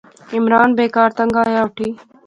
عمران بیکار تنگ آیا اوٹھی